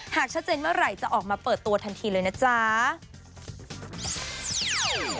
หากชัดเจนเมื่อไหร่จะออกมาเปิดตัวทันทีเลยนะจ๊ะ